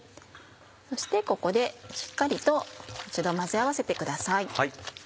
そしてここでしっかりと一度混ぜ合わせてください。